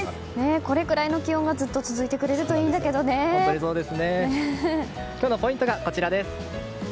これくらいの気温がずっと続いてくれると今日のポイントがこちらです。